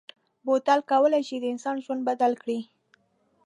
بوتل کولای شي د انسان ژوند بدل کړي.